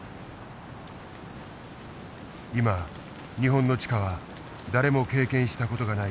今日本の地下は誰も経験した事がない